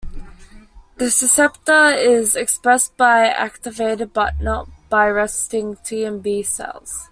This receptor is expressed by activated, but not by resting, T and B cells.